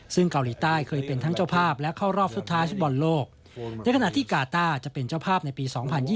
ซึ่งเกาหลีใต้เคยเป็นทั้งเจ้าภาพและเข้ารอบสุดท้ายฟุตบอลโลกในขณะที่กาต้าจะเป็นเจ้าภาพในปี๒๐๒๐